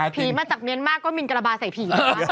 พี่มาจากเมียนมากก็มีนะกราบาใส่ผี